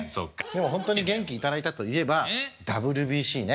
でも本当に元気頂いたといえばＷＢＣね。